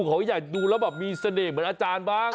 เขาอยากดูแล้วแบบมีเสน่ห์เหมือนอาจารย์บ้าง